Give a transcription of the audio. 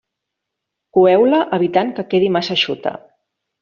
Coeu-la evitant que quedi massa eixuta.